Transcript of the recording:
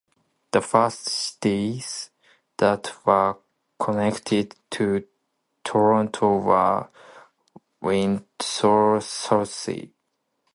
The first cities that were connected to Toronto were: Windsor, Sault Ste.